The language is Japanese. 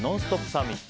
サミット。